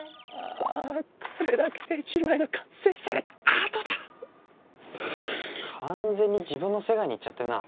これだけで１枚の完成されたアートだ完全に自分の世界に行っちゃってんな